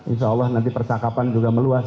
insya allah nanti percakapan juga meluas